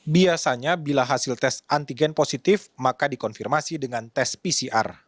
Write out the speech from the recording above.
biasanya bila hasil tes antigen positif maka dikonfirmasi dengan tes pcr